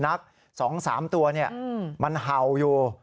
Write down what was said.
เห็นสุนัข๒๓ตัวมันเห่าอยู่